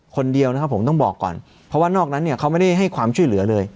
คนเดียวนะครับผมต้องบอกก่อนเพราะว่านอกนั้นเนี่ยเขาไม่ได้ให้ความช่วยเหลือเลย